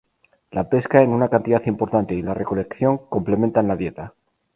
La pesca en una cantidad importante y la recolección, complementan la dieta.